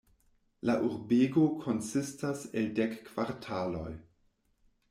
La urbego konsistas el dek kvartaloj.